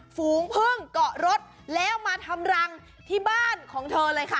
ฝูงพึ่งเกาะรถแล้วมาทำรังที่บ้านของเธอเลยค่ะ